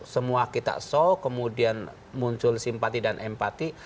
semua kita shock kemudian muncul simpati dan empati